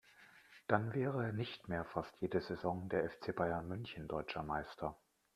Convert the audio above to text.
Dann wäre nicht mehr fast jede Saison der FC Bayern München deutscher Meister.